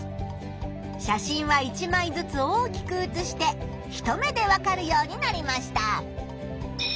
写真は１まいずつ大きくうつして一目でわかるようになりました。